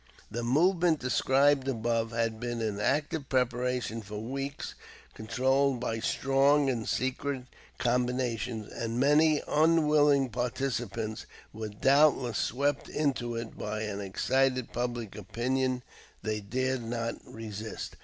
The movement described above had been in active preparation for weeks, controlled by strong and secret combinations, and many unwilling participants were doubtless swept into it by an excited public opinion they dared not resist.